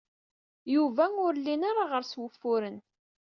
Yuba ur llin ara ɣer-s wufuren.